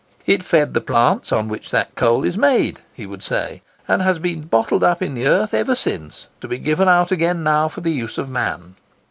"It fed the plants of which that coal is made," he would say, "and has been bottled up in the earth ever since, to be given out again now for the use of man."